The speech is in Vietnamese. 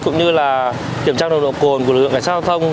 cũng như kiểm tra nồng độ cồn của đội đội cảnh sát giao thông